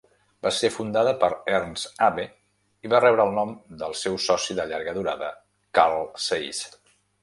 Va ser fundada per Ernst Abbe i va rebre el nom del seu soci de llarga durada Carl Zeiss.